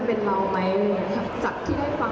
ตัวเต้นก็ยังไม่เข้าเยอะอยู่เหมือนกัน